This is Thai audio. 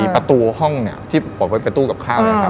ประตูห้องที่ปลดไว้เป็นตู้กับข้าว